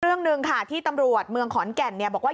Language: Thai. เรื่องหนึ่งค่ะที่ตำรวจเมืองขอนแก่นบอกว่า